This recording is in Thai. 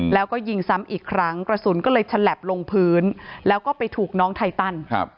แล้วก็ยิงซ้ำอีกครั้งกระสุนก็เลยฉลับลงพื้นแล้วก็ไปถูกน้องไทตัน